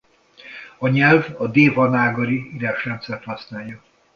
A nyelv a dévanágari írásrendszert használja.